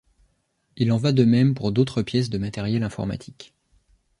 Il en va de même pour d'autres pièces de matériel informatique.